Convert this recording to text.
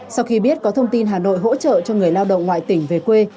sau khi biết có thông tin hà nội hỗ trợ cho người lao động ngoại tỉnh về quê